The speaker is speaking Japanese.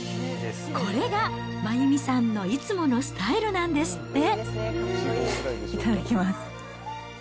これが真弓さんのいつものスタイルなんですって。